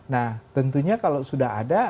nah tentunya kalau sudah ada